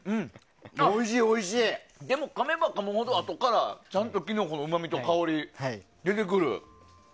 でも、かめばかむほどあとからちゃんとキノコのうまみと香りが出てくる。